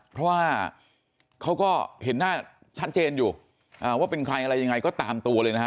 เพราะว่าเขาก็เห็นหน้าชัดเจนอยู่ว่าเป็นใครอะไรยังไงก็ตามตัวเลยนะฮะ